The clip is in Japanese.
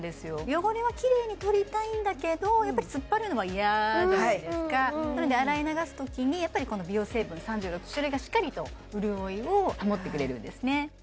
汚れはキレイに取りたいんだけどやっぱり突っ張るのは嫌じゃないですかなので洗い流すときにやっぱりこの美容成分３６種類がしっかりと潤いを保ってくれるんですね